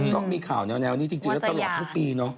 ก็มีข่าวแนวนี้ตลอดทั้งปี